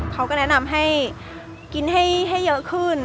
เขาก็แนะนำให้กินให้เยอะขึ้น